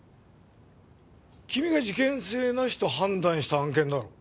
君が事件性なしと判断した案件だろう。